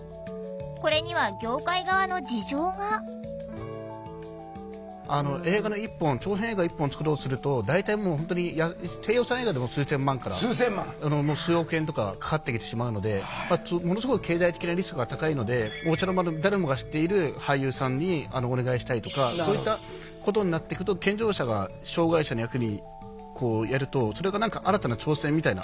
これには業界側の事情があの映画の１本長編映画１本作ろうとすると大体もう本当に低予算映画でも数千万から数億円とかかかってきてしまうのでものすごい経済的なリスクが高いのでお茶の間の誰もが知っている俳優さんにお願いしたいとかそういったことになっていくと健常者が障害者の役にやるとそれが何か新たな挑戦みたいな。